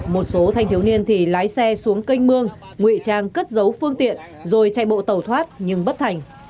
một số thanh thiếu niên thì lái xe xuống kênh mương ngụy trang cất dấu phương tiện rồi chạy bộ tàu thoát nhưng bất thành